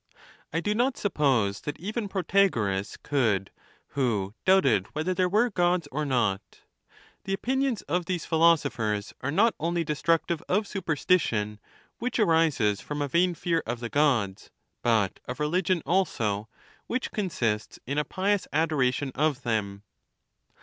I do not suppose that even Protagoras could, who doubted whether there were Gods or not» The opinions of these philosophers are not only destructiveX of superstition, which arises from a vain fear of the Gods, 1 but of religion also, which consists in a pious adoration ( of them.